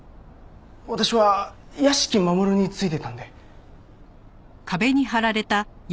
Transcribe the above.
私は屋敷マモルについてたんで。